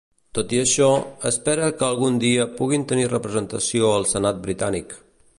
Tot i això, espera que ‘algun dia puguin tenir representació al senat britànic’.